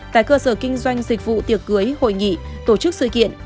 tại cơ sở kinh doanh dịch vụ tiệc cưới hội nghị tổ chức sự kiện